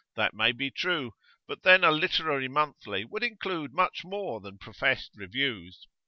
That may be true, but then a literary monthly would include much more than professed reviews.